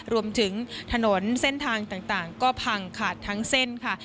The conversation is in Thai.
รวมถึงถนนเส้นทางต่างก็พังขาดทั้งเส้นค่ะ